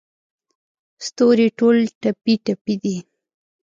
ستوري ټول ټپې، ټپي دی